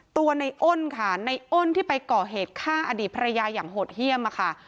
ตัวในอ้นค่ะในอ้นที่ไปก่อเหตุฆ่าอดีตภรรยาอย่างโหดเยี่ยมค่ะ